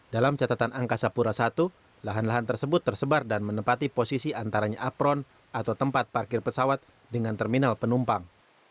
dalam catatan angkasa pura i lahan lahan tersebut tersebar dan menempati posisi antaranya apron atau tempat parkir pesawat dengan terminal penumpang